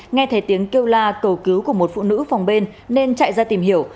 nghe thấy tiếng kêu la cầu cứu của một phụ nữ phòng bên nên chạy ra tìm hiểu